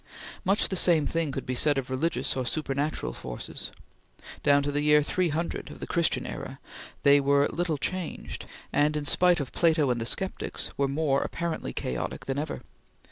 Much the same thing could be said of religious or supernatural forces. Down to the year 300 of the Christian era they were little changed, and in spite of Plato and the sceptics were more apparently chaotic than ever.